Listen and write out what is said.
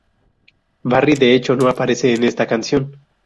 Barry de hecho no aparece en esta canción.